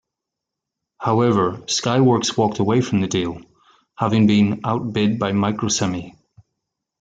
However, Skyworks walked away from the deal, having been outbid by Microsemi.